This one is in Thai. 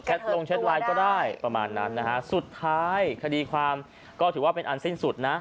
ลงแชทไลน์ก็ได้ประมาณนั้นนะฮะสุดท้ายคดีความก็ถือว่าเป็นอันสิ้นสุดนะ